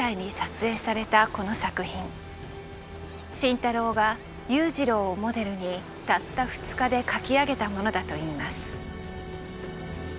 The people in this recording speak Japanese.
慎太郎が裕次郎をモデルにたった２日で書き上げたものだといいます。